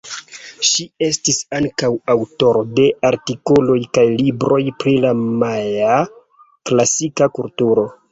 Ŝi estis ankaŭ aŭtoro de artikoloj kaj libroj pri la majaa klasika kulturo.